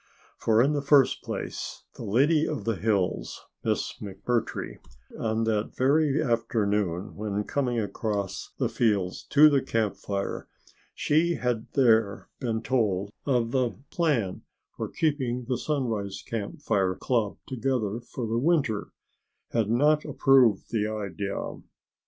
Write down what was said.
For in the first place "The Lady of the Hills," Miss McMurtry, on that very afternoon when coming across the fields to the Camp Fire she had there been told of the plan for keeping the Sunrise Camp Fire club together for the winter, had not approved the idea.